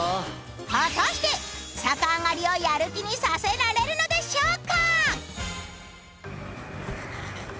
果たして逆上がりをやる気にさせられるのでしょうか？